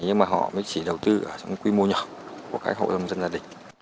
nhưng mà họ mới chỉ đầu tư ở trong quy mô nhỏ của các hộ nông dân gia đình